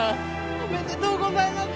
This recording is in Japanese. おめでとうございます！